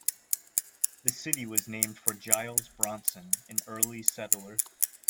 The city was named for Giles Bronson, an early settler.